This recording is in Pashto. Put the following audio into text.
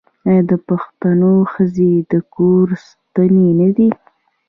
آیا د پښتنو ښځې د کور ستنې نه دي؟